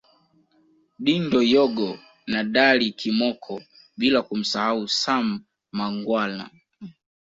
Dindo Yogo na Dally Kimoko bila kumsahau Sam Mangwana